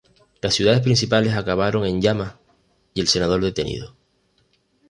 Las ciudades principales acabaron en llamas y el senador detenido.